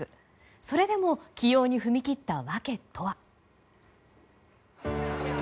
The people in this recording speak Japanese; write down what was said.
それでも起用に踏み切った訳とは。